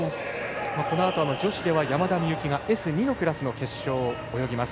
このあと、女子では山田美幸がＳ２のクラスの決勝を泳ぎます。